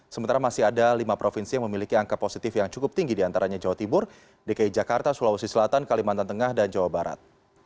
sementara masih ada lima provinsi yang memiliki angka positif yang cukup tinggi diantaranya jawa timur dki jakarta sulawesi selatan kalimantan tengah dan jawa barat